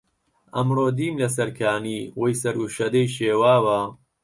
ئەمڕۆ دیم لەسەر کانی وەی سەر و شەدەی شێواوە